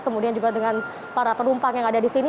kemudian juga dengan para penumpang yang ada di sini